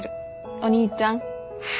お兄ちゃん。